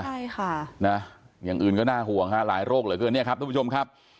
ใช่ค่ะอย่างอื่นก็น่าห่วงหลายโรคเหลือเกินท่านผู้ชมครับ